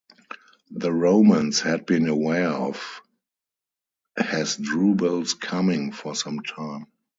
The Romans had been aware of Hasdrubal's coming for some time.